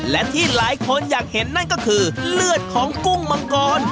และที่หลายคนอยากเห็นนั่นก็คือเลือดของกุ้งมังกร